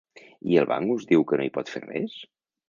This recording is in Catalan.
I el banc us diu que no hi pot fer res?